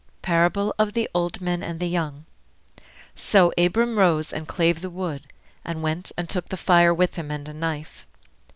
Parable of the Old Men and the Young So Abram rose, and clave the wood, and went, And took the fire with him, and a knife.